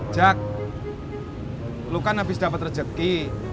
jack lo kan habis dapat rejeki